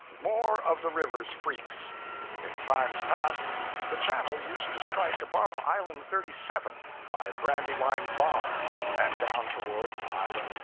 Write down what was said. More of the river's freaks. In times past, the channel used to strike above Island 37, by Brandywine Bar, and down towards Island 39.